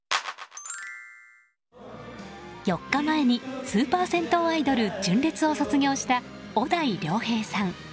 ４日前にスーパー銭湯アイドル純烈を卒業した小田井涼平さん。